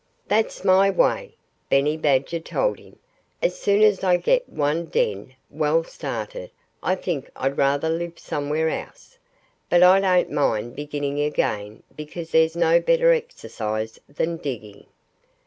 "That's my way," Benny Badger told him. "As soon as I get one den well started I think I'd rather live somewhere else. But I don't mind beginning again because there's no better exercise than digging."